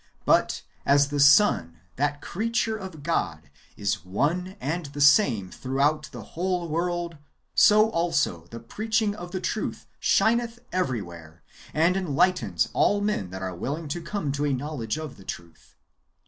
But as the sun, that creature of God, is one and the same throughout the whole world, so also the preaching of the truth shineth everywhere, and enlightens all men that are willing to come to a knowledge of the truth.